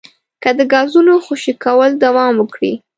که د ګازونو خوشې کول دوام وکړي